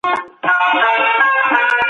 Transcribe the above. د سپڼسیو او وړیو نساجي د هېواد زوړ صنعت دی.